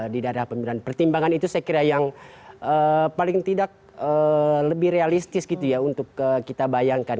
di daerah pemilihan pertimbangan itu saya kira yang paling tidak lebih realistis gitu ya untuk kita bayangkan